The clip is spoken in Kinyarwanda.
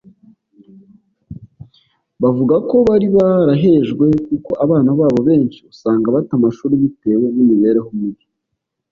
bavuga ko bari barahejwe kuko abana babo benshi usanga bata amashuri bitewe n’imibereho mibi